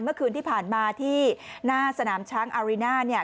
เมื่อคืนที่ผ่านมาที่หน้าสนามช้างอาริน่าเนี่ย